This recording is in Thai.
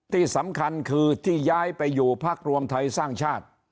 ที่สำคัญคือที่ย้ายไปอยู่พักรวมไทยสร้างชาติ